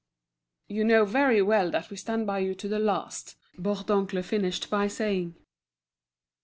"You know very well that we'll stand by you to the last," Bourdoncle finished by saying.